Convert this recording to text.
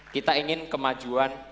kita ingin kemajuan